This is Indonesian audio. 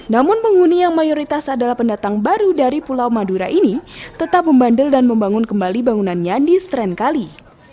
namun penghuni yang mayoritas adalah pendatang baru dari pulau madura ini tetap membandel dan membangun kembali bangunannya di stren kali